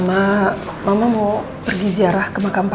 mama mau pergi ziarah ke makam pak